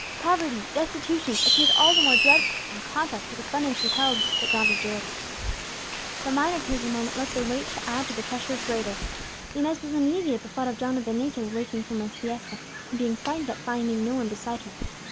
Poverty destitution appeared all the more dreadful from contrast with abundance beheld, but not enjoyed. The minor cares of the moment lent their weight to add to the pressure of greater. Inez was uneasy at the thought of Donna Benita awaking from her siesta, and being frightened at finding no one beside her.